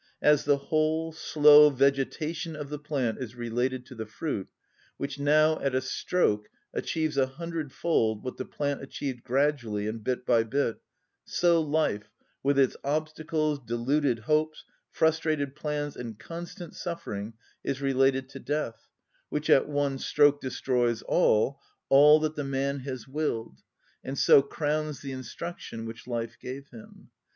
As the whole, slow vegetation of the plant is related to the fruit, which now at a stroke achieves a hundredfold what the plant achieved gradually and bit by bit, so life, with its obstacles, deluded hopes, frustrated plans, and constant suffering, is related to death, which at one stroke destroys all, all that the man has willed, and so crowns the instruction which life gave him.